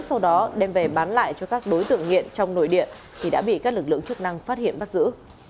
sau đó đem về bán lại cho các đối tượng nghiện trong nội địa thì đã bị các lực lượng chức năng phát hiện bắt giữ